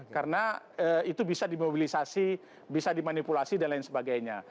karena itu bisa dimobilisasi bisa dimanipulasi dan lain sebagainya